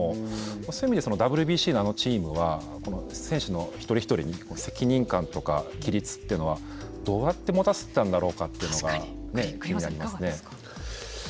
そういう意味でＷＢＣのチームは選手の１人１人に責任感とか規律というのはどうやって持たせたんだろうかというのが栗山さん、いかがですか。